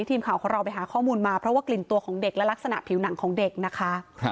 ทีมข่าวของเราไปหาข้อมูลมาเพราะว่ากลิ่นตัวของเด็กและลักษณะผิวหนังของเด็กนะคะ